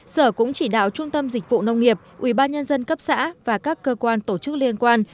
sở cũng chỉ đạo trung tâm dịch vụ nông nghiệp ubnd cấp xã và các cơ quan tổ chức liên quan